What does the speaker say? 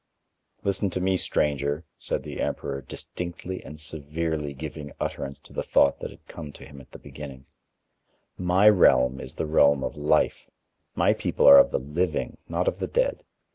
"Listen to me, stranger," said the emperor, distinctly and severely giving utterance to the thought that had come to him at the beginning, "my realm is the realm of Life, my people are of the living, not of the dead.